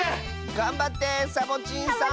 がんばってサボちんさん！